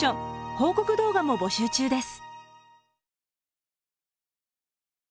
報告動画も募集中です。